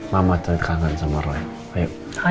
mama tuh kangen sama roy